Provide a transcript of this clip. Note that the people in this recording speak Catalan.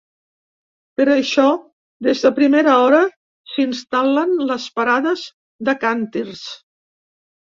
Per això, des de primera hora, s’instal·len les parades de càntirs.